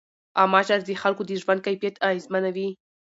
عامه چارې د خلکو د ژوند کیفیت اغېزمنوي.